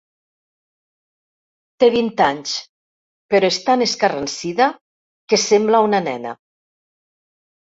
Té vint anys, però és tan escarransida que sembla una nena.